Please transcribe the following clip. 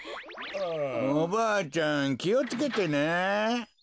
おばあちゃんきをつけてね。